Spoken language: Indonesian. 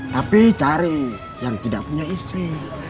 tapi cari yang tidak punya istri